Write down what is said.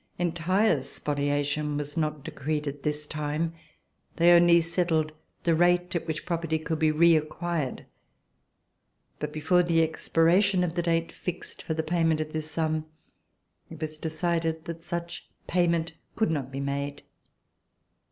Entire spoliation was not decreed at this time; they only settled the rate at which property could be re acquired; but before the expiration of the date fixed for the payment of this sum, it was decided that such payment could not be made.